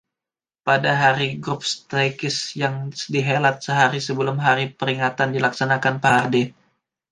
Pada Hari Grubstakes, yang dihelat sehari sebelum Hari Peringatan, dilaksanakan parade.